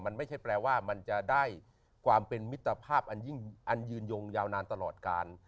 มันไม่ใช่แปลว่ามันจะได้ความเป็นมิตรภาพอันยิ่งอันยืนยงยาวนานตลอดการ